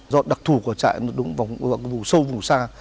do đặc thù của trại nó đúng vòng vùng sâu vùng xa